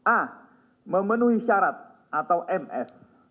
a memenuhi syarat atau ms